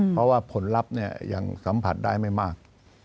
เพราะว่าผลลัพธ์ยังสัมผัสได้ไม่มาก